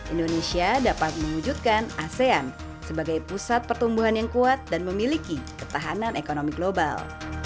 indonesia dapat mewujudkan asean sebagai pusat pertumbuhan yang kuat dan memiliki ketahanan ekonomi global